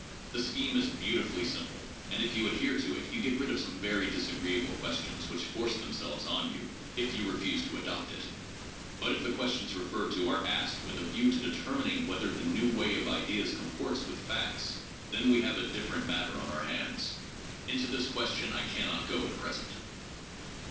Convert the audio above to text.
The scheme is beautifully simple, and if you adhere to it, you get rid of some very disagreeable ques tions which force themselves on you if you refuse to adopt it. But if the questions referred to are asked with a view to determining whether the new way of ideas comports with facts, then we have a different matter on our hands. Into this question I can not go at present.